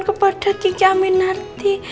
kepada kiki aminarti